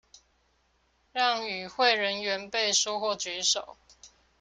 讓與會人員背書或舉手